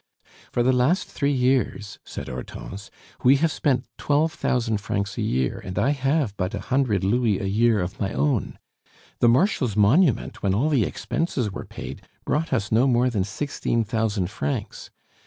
"For the last three years," said Hortense, "we have spent twelve thousand francs a year, and I have but a hundred louis a year of my own. The Marshal's monument, when all the expenses were paid, brought us no more than sixteen thousand francs.